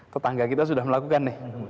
tetangga kita sudah melakukan